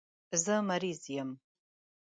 زه مریض یم.